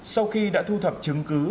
sau khi đã thu thập chứng cứ